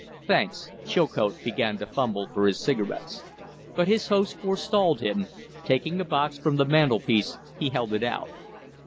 "Thanks." Chilcote began to fumble for his cigarettes. But his host forestalled him. Taking a box from the mantel piece, he held it out.